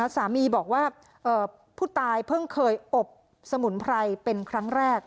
สามีบอกว่าผู้ตายเพิ่งเคยอบสมุนไพรเป็นครั้งแรก